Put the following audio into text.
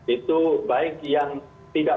itu baik yang tidak memenuhi tanggung